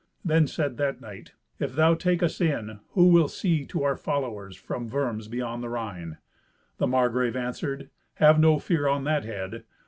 Then said that knight, "If thou take us in, who will see to our followers from Worms beyond the Rhine?" The Margrave answered, "Have no fear on that head.